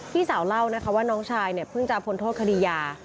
พี่สาวเล่านะคะว่าน้องชายเนี่ยเพิ่งจะพ้นโทษคดียา